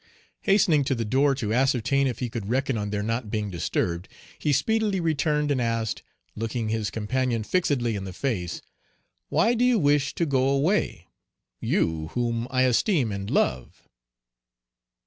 Hastening to the door, to ascertain if he could reckon on their not being disturbed, he speedily returned and asked, looking his companion fixedly in the face, "Why do you wish to go away? You, whom I esteem and love?"